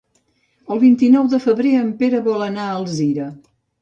El vint-i-nou de febrer en Pere vol anar a Alzira.